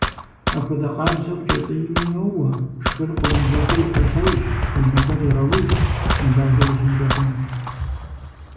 Апхуэдэ къабзэу, кӀэтӀийми йоуэ, пшхыр къомызэгъыу укъегъэжь, уи ныбэр егъэуз, ныбажэ уищӏынкӏэ хъунущ.